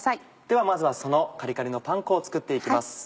ではまずはそのカリカリのパン粉を作って行きます。